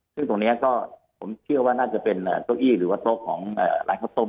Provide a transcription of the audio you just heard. ซึ่งตรงนี้ก็ผมเชื่อว่าน่าจะเป็นเก้าอี้หรือว่าโต๊ะของร้านข้าวต้ม